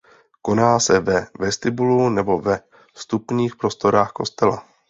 Koná se ve vestibulu nebo ve vstupních prostorách kostela.